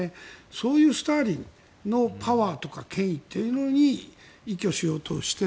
そういうスターリンのパワーとか権威というのに依拠しようとしている。